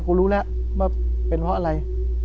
กูรู้และว่าเป็นเพราะอะไร